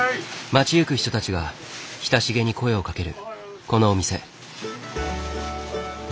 町行く人たちが親しげに声をかけるこのお店。